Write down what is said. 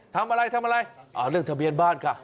ทำอะไรเรื่องทะเบียนบ้านค่ะ